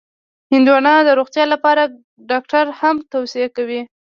هندوانه د روغتیا لپاره ډاکټر هم توصیه کوي.